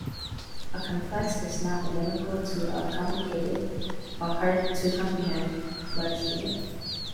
A 'complex' is not identical to a 'complicated, a hard-to-comprehend, large unit.